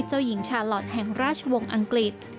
เจ้าหญิงชาลอทแห่งราชวงศ์อังกฤษ